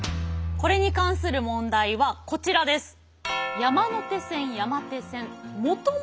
これに関する問題はこちらです。